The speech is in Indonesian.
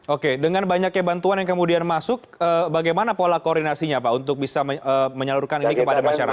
oke dengan banyaknya bantuan yang kemudian masuk bagaimana pola koordinasinya pak untuk bisa menyalurkan ini kepada masyarakat